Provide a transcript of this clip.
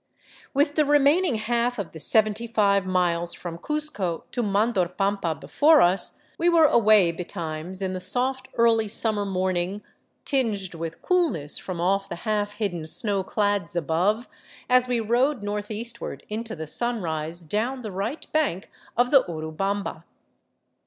With the remaining half of the seventy five miles from Cuzco to Mandorpampa before us, we were away betimes in the soft, early summer morning, tinged with coolness from off the half hidden snow clads above, as we rode northeastward into the sunrise down the right bank of the Urubamba.